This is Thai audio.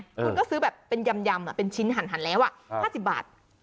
คุณก็ซื้อแบบเป็นยำเป็นชิ้นหันแล้ว๕๐บาท